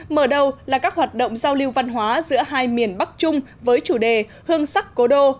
mở đầu là các hoạt động giao lưu văn hóa giữa hai miền bắc trung với chủ đề hương sắc cố đô